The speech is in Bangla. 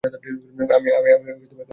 আমি খেলাধুলায় খারাপ।